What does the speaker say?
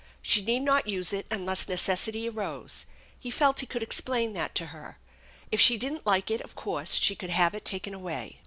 She need not use it unless necessity arose. He felt he could explain that to her. If she didn't like it, of course she could have it taken away.